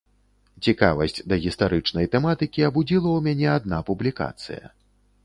Цікавасць да гістарычнай тэматыкі абудзіла ў мяне адна публікацыя.